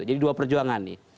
jadi dua perjuangan nih